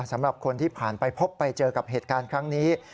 สำหรับคนที่ผ่านไปพบไปเจอกับเหตุการณ์ครั้งนี้